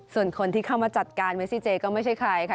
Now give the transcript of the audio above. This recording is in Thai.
ส่วนคนที่เข้ามาจัดการเมซิเจก็ไม่ใช่ใครค่ะ